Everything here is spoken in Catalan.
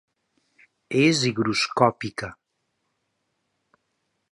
És higroscòpica.